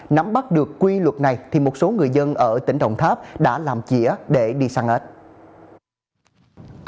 nắm bắt được quy luật này thì một số người dân ở tỉnh đồng tháp đã làm chĩa để đi săn ếch